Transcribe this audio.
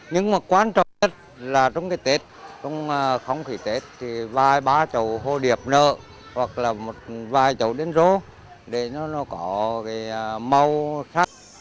nhưng mà quan trọng nhất là trong cái tết trong khóng khí tết thì vài ba chầu hô điệp nở hoặc là một vài chầu đến rô để nó có màu khác